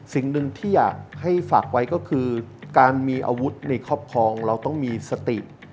สิ่งหนึ่งที่อยากให้ฝากไว้ก็คือการมีอาวุธในครอบครองเราต้องมีสติ